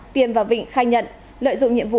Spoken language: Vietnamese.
tiền và vịnh khai nhận lợi dụng nhiệm vụ